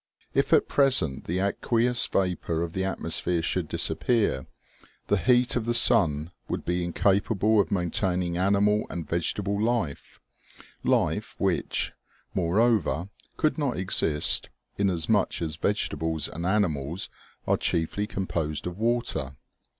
If at present the aqueous vapor of the atmosphere should disappear, the heat of the sun would be incapable of maintaining animal and vegetable life ; life which, more over, could not exist, inasmuch as vegetables and animals are chiefly composed of water.